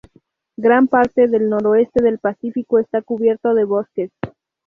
Gran parte del Noroeste del Pacífico está cubierto de bosques.